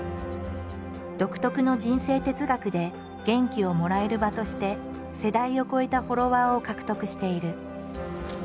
独特の人生哲学で元気をもらえる場として世代を超えたフォロワーを獲得している。